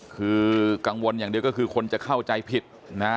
คือกังวลอย่างเดียวก็คือคนจะเข้าใจผิดนะ